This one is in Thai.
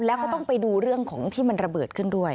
แล้วก็ต้องไปดูเรื่องของที่มันระเบิดขึ้นด้วย